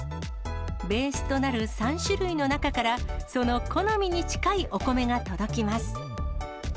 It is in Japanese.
ベースとなる３種類の中から、その好みに近いお米が届きます。